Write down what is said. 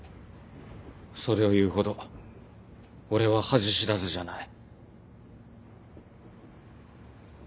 それを言うほど俺は恥知らずじゃない。